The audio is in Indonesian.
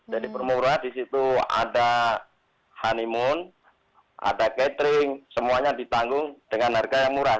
jadi promo murah di situ ada honeymoon ada catering semuanya ditanggung dengan harga yang murah